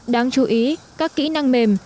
đáng chú ý các kỹ năng mềm